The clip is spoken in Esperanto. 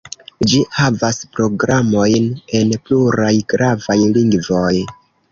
Ĝi havas programojn en pluraj gravaj lingvoj.